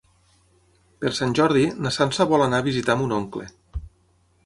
Per Sant Jordi na Sança vol anar a visitar mon oncle.